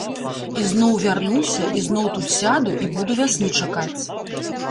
Ізноў вярнуся, ізноў тут сяду і буду вясны чакаць.